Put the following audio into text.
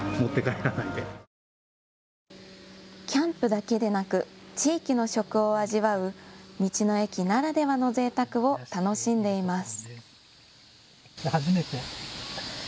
キャンプだけでなく地域の食を味わう道の駅ならではのぜいたくを楽しんでいます。